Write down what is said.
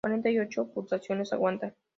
cuarenta y ocho pulsaciones. aguanta.